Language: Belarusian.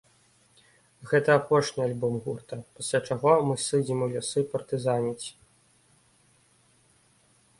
Гэта апошні альбом гурта, пасля чаго мы сыдзем у лясы партызаніць.